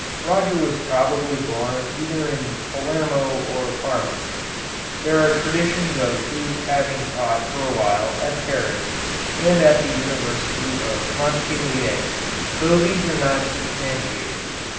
Roger was probably born either in Palermo or Parma. There are traditions of his having taught for a while at Paris and at the University of Montpellier, though these are not substantiated.